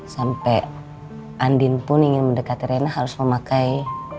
sampai andin pun ingin mendekati rena harus memakai